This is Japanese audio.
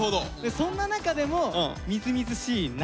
そんな中でもみずみずしい梨。